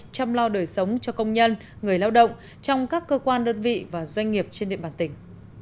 chăm lo đời sống cho công nhân người lao động trong các cơ quan đơn vị và doanh nghiệp trên địa bàn tỉnh